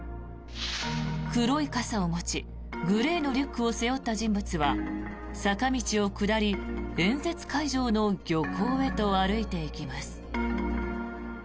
黒い傘を持ちグレーのリュックを背負った人物は坂道を下り、演説会場の漁港へと歩いていきます。